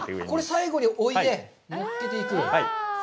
最後においで載っけていく。